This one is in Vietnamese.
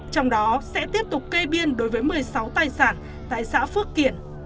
trong đó sẽ tiếp tục kê biên đối với một mươi sáu tài sản tại xã phước kiển